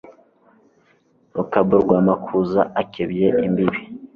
Rukabu rw' amakuza akebye imbibi